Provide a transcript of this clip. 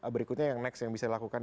berikutnya yang next yang bisa dilakukan